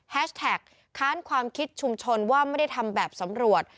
แท็กค้านความคิดชุมชนว่าไม่ได้ทำแบบสำรวจ